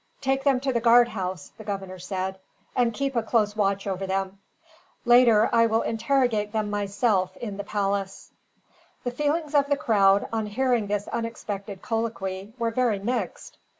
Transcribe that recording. "Take them to the guard house," the governor said, "and keep a close watch over them. Later, I will interrogate them myself, in the palace." The feelings of the crowd, on hearing this unexpected colloquy, were very mixed.